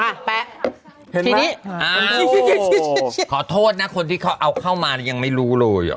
แป๊ะทีนี้อ่าขอโทษนะคนที่เขาเอาเข้ามายังไม่รู้เลยอ่ะ